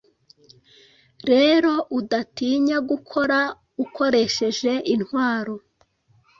rero udatinya gukoraèd ukoresheje intwaro